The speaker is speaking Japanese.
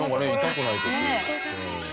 痛くない所。